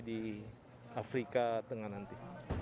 di afrika tengah nanti